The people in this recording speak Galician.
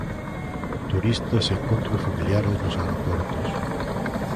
Turistas e encontros familiares nos aeroportos.